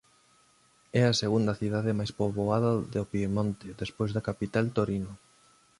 É a segunda cidade máis poboada do Piemonte despois da capital Torino.